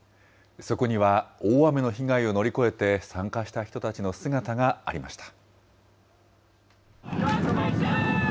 そこには、大雨の被害を乗り越えて参加した人たちの姿がありました。